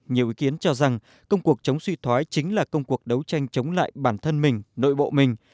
nhiều ý kiến cho rằng công cuộc chống suy thoái chính là công cuộc đấu tranh chống lại bản thân mình nội bộ mình